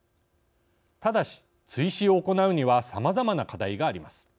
ただし、追試を行うにはさまざまな課題があります。